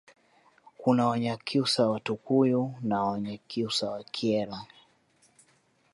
Kuna Wanyakyusa wa Tukuyu na Wanyakyusa wa Kyela